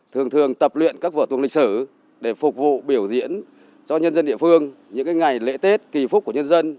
thường thường tập luyện các vở tuồng lịch sử để phục vụ biểu diễn cho nhân dân địa phương những ngày lễ tết kỳ phúc của nhân dân